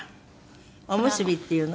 「お結び」っていうの？